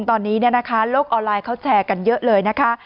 ตอนนี้โลกออนไลน์เขาแชร์กันเยอะเลยนะคะ